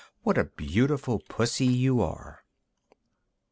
What a beautiful Pussy you are!"